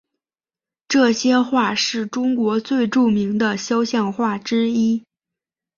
这些画是中国最著名的肖像画之一。